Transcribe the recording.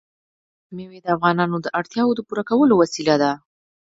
مېوې د افغانانو د اړتیاوو د پوره کولو وسیله ده.